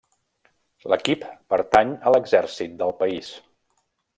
L'equip pertany a l'exèrcit del país.